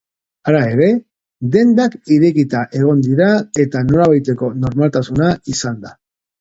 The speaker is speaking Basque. Hala ere, dendak irekita egon dira eta nolabaiteko normaltasuna izan da.